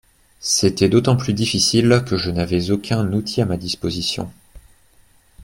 C’était d’autant plus difficile que je n’avais aucun outil à ma disposition.